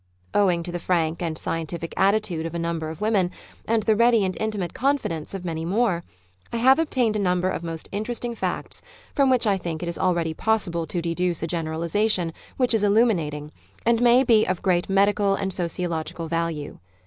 Owing to the fraflk and scientific attitude of a number of women, and the ready and intimate confidence of many more, I have obtained a number of most interesting facts from which I think 30 Married Love it is already possible to deduce a generalisation which is illuminating, and may be of great medical and sociological value.